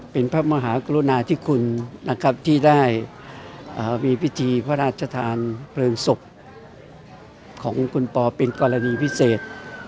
เป็นพระมหากรุณาธิคุณนะครับที่ได้มีพิธีพระราชทานเพลิงศพของคุณปอเป็นกรณีพิเศษ